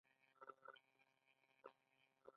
د کاناډا د کورونو بازار ګرم دی.